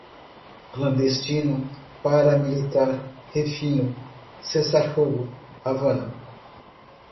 clandestino, paramilitar, refino, cessar-fogo, Havana